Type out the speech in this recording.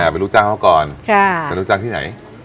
เป็นลูกจ้างเขาก่อนเป็นลูกจ้างที่ไหน